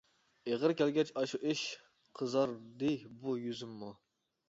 ئېغىر كەلگەچ ئاشۇ ئىش، قىزاردى بۇ يۈزۈممۇ.